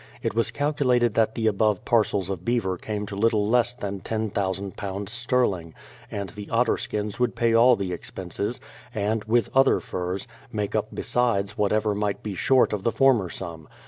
It was calculated that the above parcels of beaver came to little less than £10,000 sterling, and the otter skins would pay all the expenses, and, with other furs, make up besides whatever might be short of the former sum.